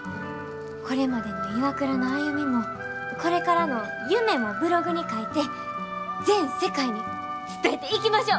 これまでのＩＷＡＫＵＲＡの歩みもこれからの夢もブログに書いて全世界に伝えていきましょう！